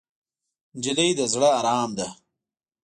نجلۍ د زړه ارام ده.